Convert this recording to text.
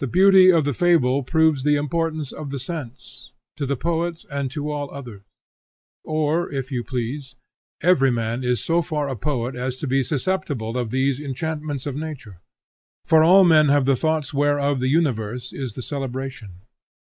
The beauty of the fable proves the importance of the sense; to the poet, and to all others; or, if you please, every man is so far a poet as to be susceptible of these enchantments of nature; for all men have the thoughts whereof the universe is the celebration.